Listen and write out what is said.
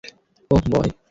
ওহ, বয়!